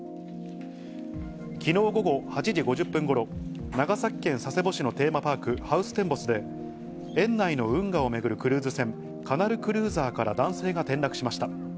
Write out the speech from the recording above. きのう午後８時５０分ごろ、長崎県佐世保市のテーマパーク、ハウステンボスで、園内の運河を巡るクルーズ船、カナルクルーザーから男性が転落しました。